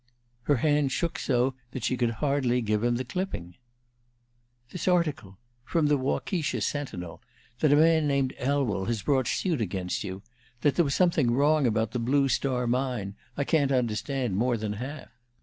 Her hand shook so that she could hardly give him the clipping. "This article from the 'Waukesha Sentinel' that a man named Elwell has brought suit against you that there was something wrong about the Blue Star Mine. I can't understand more than half."